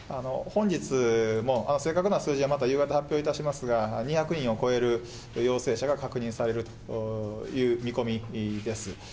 本日も正確な数字はまた夕方、発表いたしますが、２００人を超える陽性者が確認されるという見込みです。